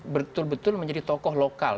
betul betul menjadi tokoh lokal